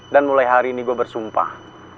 dan mulai hari ini gue bersumpah